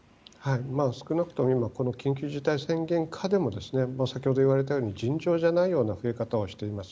少なくとも今この緊急事態宣言下でも先ほど言われたように尋常じゃない増え方をしています。